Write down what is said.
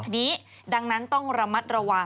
นี้ดังนั้นต้องระมัดระวัง